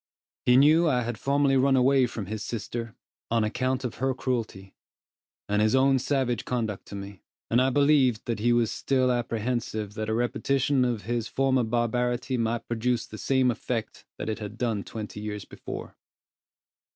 He knew I had formerly run away from his sister, on account of her cruelty, and his own savage conduct to me; and I believed that he was still apprehensive that a repetition of his former barbarity might produce the same effect that it had done twenty years before.